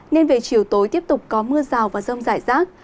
nên về chiều tối tiếp tục có mưa rào và rông rải rác